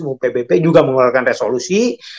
ppp juga mengeluarkan resolusi